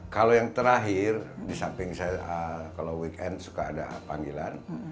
kalau yang terakhir di samping saya kalau weekend suka ada panggilan